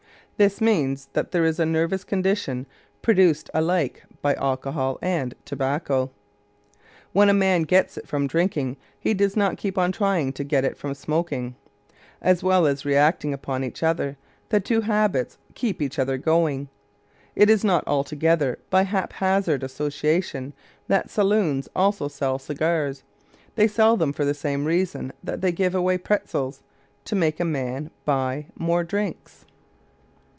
This means that there is a nervous condition produced alike by alcohol and tobacco. When a man gets it from drinking, he does not keep on trying to get it from smoking. As well as reacting upon each other, the two habits keep each other going. It is not altogether by haphazard association that saloons also sell cigars; they sell them for the same reason that they give away pretzels to make a man buy more drinks.